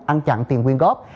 ăn chặn tiền huyên góp